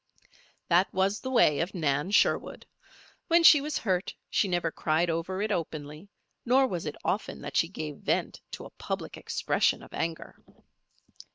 That was the way of Nan Sherwood. When she was hurt she never cried over it openly; nor was it often that she gave vent to a public expression of anger.